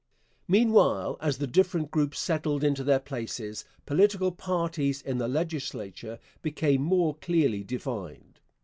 Meanwhile, as the different groups settled into their places, political parties in the legislature became more clearly defined.